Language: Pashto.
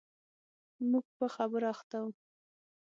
موږ په خبرو اخته و.